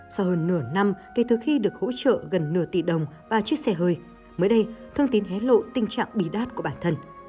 sau hơn nửa năm kể từ khi được hỗ trợ gần nửa tỷ đồng ba chiếc xe hơi mới đây thương tín hé lộ tình trạng bí đát của bản thân